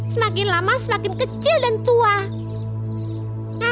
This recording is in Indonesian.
semakin lama semakin kecil dan tua